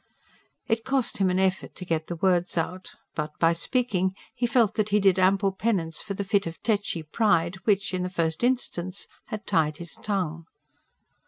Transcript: It cost him an effort to get the words out. But, by speaking, he felt that he did ample penance for the fit of tetchy pride which, in the first instance, had tied his tongue.